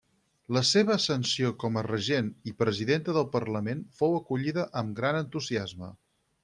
La seva ascensió com a regent i presidenta del parlament fou acollida amb gran entusiasme.